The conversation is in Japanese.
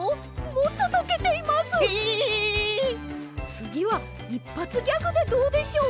つぎはいっぱつギャグでどうでしょう？